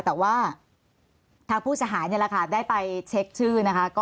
แต่ว่าถ้าผู้เสียหายได้ไปเช็คชื่อ